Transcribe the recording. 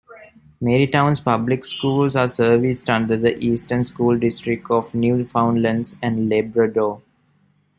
Marystown's public schools are serviced under the Eastern School District of Newfoundland and Labrador.